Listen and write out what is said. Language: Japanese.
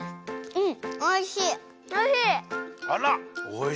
うん！